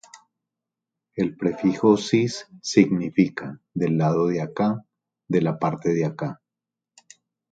El prefijo "cis-" significa: ‘del lado de acá’, ‘de la parte de acá’.